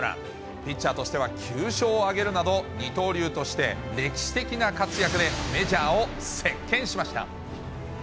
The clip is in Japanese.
ピッチャーとしては９勝を挙げるなど、二刀流として歴史的な活躍でメジャーを席けんしました。